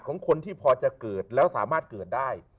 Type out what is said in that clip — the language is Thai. ของคนที่พอจะเกิดแล้วสามารถเกิดได้